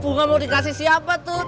bunga mau dikasih siapa tuh